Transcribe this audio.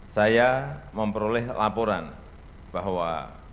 saya memperoleh laporan bahwa